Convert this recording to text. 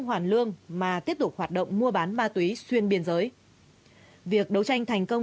hoàn lương mà tiếp tục hoạt động mua bán ma túy xuyên biên giới việc đấu tranh thành công